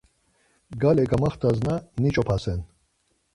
Gale gamaxtasna niç̌opasen.